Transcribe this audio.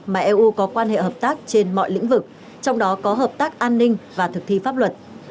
mà eu có quan hệ hợp tác trên mọi lĩnh vực trong đó có hợp tác an ninh và thực thi pháp luật